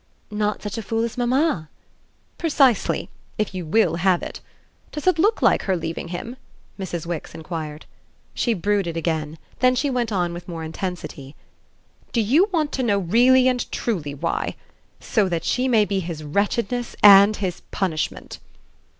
"Not such a fool as mamma?" "Precisely if you WILL have it. Does it look like her leaving him?" Mrs. Wix enquired. She brooded again; then she went on with more intensity: "Do you want to know really and truly why? So that she may be his wretchedness and his punishment."